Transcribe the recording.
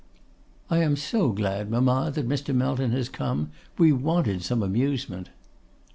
'I am so glad, mamma, that Mr. Melton has come; we wanted some amusement.